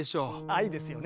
愛ですよね。